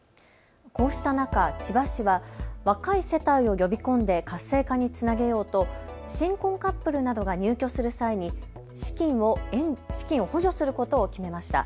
こうした中、千葉市は若い世帯を呼び込んで活性化につなげようと新婚カップルなどが入居する際に資金を補助することを決めました。